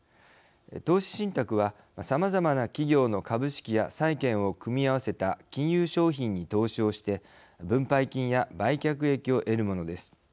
投資信託は、さまざまな企業の株式や債券を組み合わせた金融商品に投資をして分配金や売却益を得るものです。